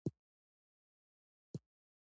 دغه نامتو لیکوال ټول تاریخمن مظاهر له یاده باسي.